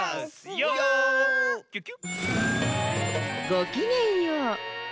ごきげんよう。